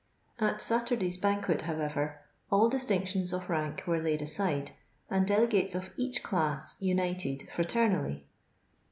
At Saturday's ban quet, however, all distinctions of rank were laid aside, and delegates of each class united frater nally.